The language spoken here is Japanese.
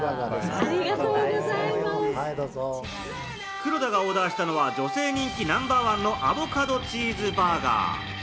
黒田がオーダーしたのは、女性人気ナンバーワンのアボカドチーズバーガー。